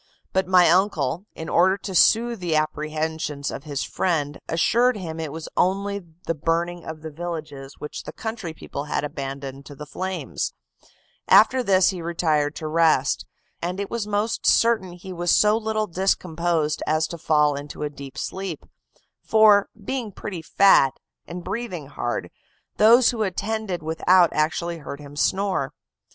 But my uncle, in order to soothe the apprehensions of his friend, assured him it was only the burning of the villages, which the country people had abandoned to the flames; after this he retired to rest, and it was most certain he was so little discomposed as to fall into a deep sleep; for, being pretty fat, and breathing hard, those who attended without actually heard him snore.